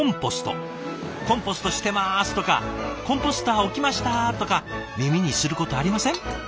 「コンポストしてます」とか「コンポスター置きました」とか耳にすることありません？